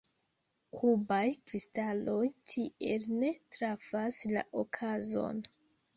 Kubaj kristaloj tiel ne trafas la okazon.